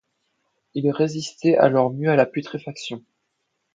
Ils résistaient alors mieux à la putréfaction.